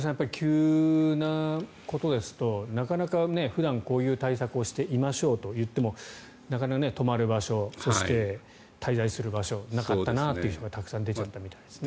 急なことですとなかなか普段、こういう対策をしましょうと言ってもなかなか泊まる場所そして、滞在する場所がなかったなという人がたくさん出ちゃったみたいですね。